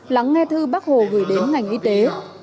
lắng nghe thư bác hồ gửi đến ngành y tế